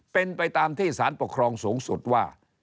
เป็นไปตามที่สารปกครองสูงสุดว่า